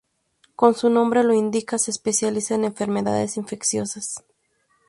Como su nombre lo indica, se especializa en enfermedades infecciosas.